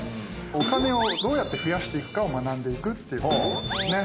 お金をどうやって増やしていくかを学んでいくっていうことですね。